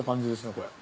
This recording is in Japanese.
これ。